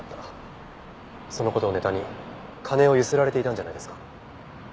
その事をネタに金を強請られていたんじゃないですか？